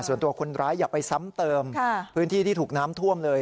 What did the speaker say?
ส่วนตัวคนร้ายอย่าไปซ้ำเติมพื้นที่ที่ถูกน้ำท่วมเลย